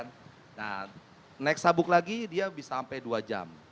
nah naik sabuk lagi dia bisa sampai dua jam